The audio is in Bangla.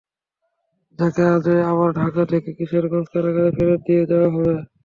তাঁকে আজই আবার ঢাকা থেকে কিশোরগঞ্জ কারাগারে ফেরত নিয়ে যাওয়া হবে।